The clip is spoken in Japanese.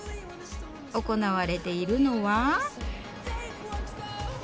行われているのは。